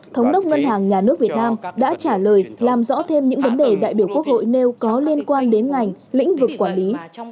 thống đốc ngân hàng nhà nước việt nam đã trả lời làm rõ thêm những vấn đề đại biểu quốc hội nêu có liên quan đến ngành lĩnh vực quản lý